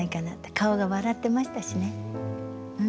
顔が笑ってましたしね。